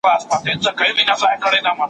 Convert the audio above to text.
ونې د هوا په پاکولو کي لویه مرسته کوي.